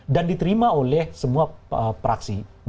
dan diterima oleh semua praksi